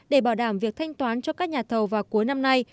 để bảo đảm việc thanh toán cho các nhà thầu vào cuối năm nay